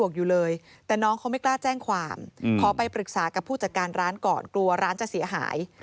ไม่กล้าแจ้งความขอไปปรึกษากับผู้จัดการร้านก่อนกลัวร้านจะเสียหาย